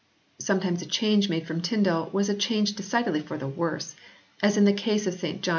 Sometimes a change made from Tyndale was a change decidedly for the worse, as in the case of St John x.